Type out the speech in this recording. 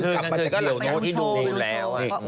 กลับมาจากเดียวนั้นไม่รู้ที่ดูแล้ว